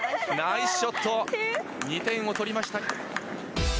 ナイスショット２点を取りました。